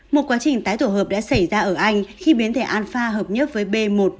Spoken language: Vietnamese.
một quá trình tái tổ hợp đã xảy ra ở anh khi biến thể alpha hợp nhất với b một một bảy bảy